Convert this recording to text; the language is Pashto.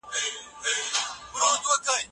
د څېړني هدف بايد معلوم وي.